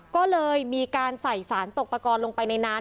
ก็เลยมีการใส่สารตกตะกอนลงไปในน้ำ